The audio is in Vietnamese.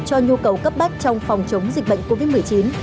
cho nhu cầu cấp bách trong phòng chống dịch bệnh covid một mươi chín